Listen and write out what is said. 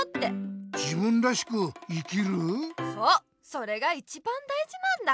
それがいちばんだいじなんだ。